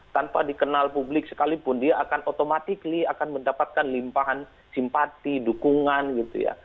tanpa dikenal publik sekalipun dia akan otomatis akan mendapatkan limpahan simpati dukungan gitu ya